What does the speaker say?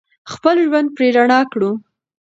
خپل ژوند پرې رڼا کړو.